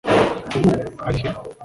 ubu ari he